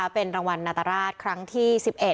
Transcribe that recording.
เป็นรางวัลนาตราชครั้งที่๑๑